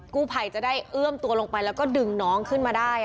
กู้ภัยจะได้เอื้อมตัวลงไปแล้วก็ดึงน้องขึ้นมาได้